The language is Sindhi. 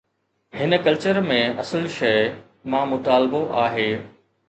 هن ڪلچر ۾ اصل شيءِ ”مان مطالبو“ آهي.